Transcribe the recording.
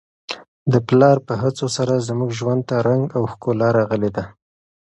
د پلار په هڅو سره زموږ ژوند ته رنګ او ښکلا راغلې ده.